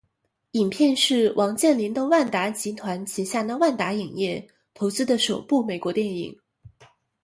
影片是王健林的万达集团旗下的万达影业投资的首部美国电影。